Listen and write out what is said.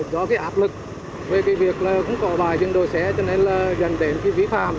do cái áp lực về cái việc cũng có bài dừng đỗ xe cho nên là dần đến cái vi phạm